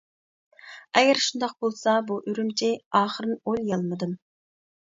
ئەگەر شۇنداق بولسا بۇ ئۈرۈمچى. ئاخىرىنى ئويلىيالمىدىم.